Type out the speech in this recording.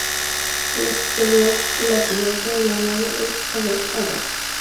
Al exterior la cubierta de la nave es a dos aguas.